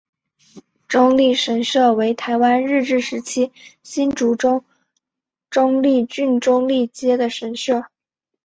中坜神社为台湾日治时期新竹州中坜郡中坜街的神社。